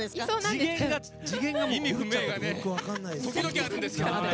時々あるんですよ。